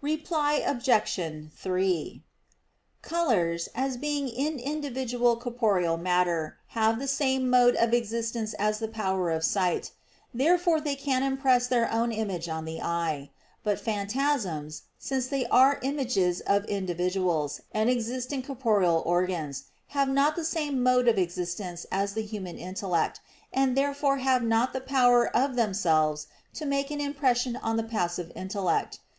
Reply Obj. 3: Colors, as being in individual corporeal matter, have the same mode of existence as the power of sight: therefore they can impress their own image on the eye. But phantasms, since they are images of individuals, and exist in corporeal organs, have not the same mode of existence as the human intellect, and therefore have not the power of themselves to make an impression on the passive intellect.